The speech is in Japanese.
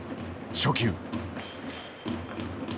初球。